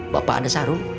bapak ada sarung